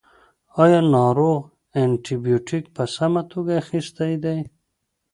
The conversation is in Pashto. ایا ناروغ انټي بیوټیک په سمه توګه اخیستی دی.